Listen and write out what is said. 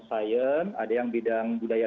sains ada yang bidang budaya